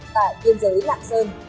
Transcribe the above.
tại biên giới lạng sơn